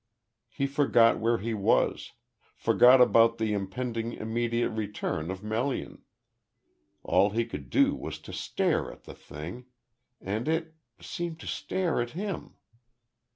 He forgot where he was, forgot about the impending immediate return of Melian. All he could do was to stare at the thing, and it seemed to stare at him.